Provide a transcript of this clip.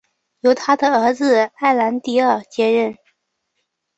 由他的儿子埃兰迪尔接位。